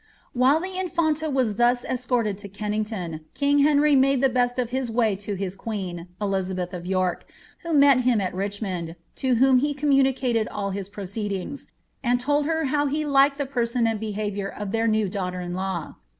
While the infanta was thus escorted to Kennington, king Henry made the best of his way to his queen (Elizabeth of York), who met him at Richmond, to whom he communicated all his proceedings, ^ and told her how he liked the person and behaviour of their new daughter in kw."